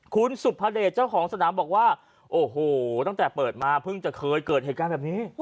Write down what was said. คุณสุภเดชเจ้าของสนามบอกว่าโอ้โหตั้งแต่เปิดมาเพิ่งจะเคยเกิดเหตุการณ์แบบนี้